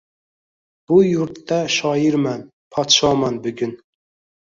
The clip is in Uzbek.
Bu yurtda shoirman, podshoman bugun!